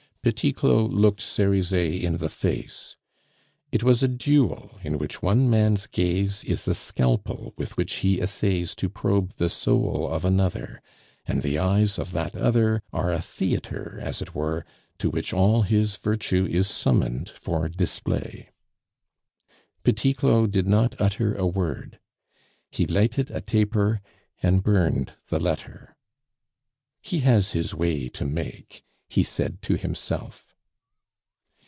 Petit Claud looked Cerizet in the face. It was a duel in which one man's gaze is a scalpel with which he essays to probe the soul of another, and the eyes of that other are a theatre, as it were, to which all his virtue is summoned for display. Petit Claud did not utter a word. He lighted a taper and burned the letter. "He has his way to make," he said to himself.